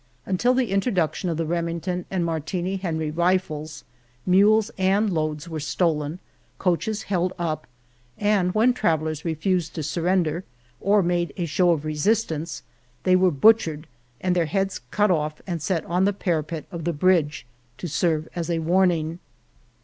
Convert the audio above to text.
Until the introduction of the Remington and Martini Henry rifles, mules and loads were stolen, coaches held up, and when travellers refused to surrender or made 218 Venta de Cardenas a show of resistance they were butchered and their heads cut off and set on the parapet of the bridge to serve as a warning.